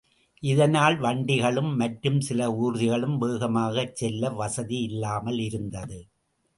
இதனால் வண்டிகளும் மற்றும் சில ஊர்திகளும் வேகமாகச் செல்ல வசதி இல்லாமல் இருந்தது.